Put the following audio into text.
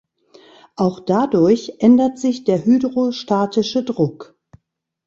Auch dadurch ändert sich der hydrostatische Druck.